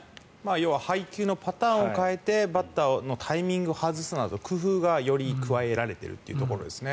要は配球のパターンを変えてバッターのタイミングを外すという工夫がより加えられているということですね。